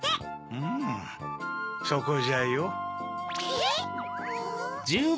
うむそこじゃよ。え？え？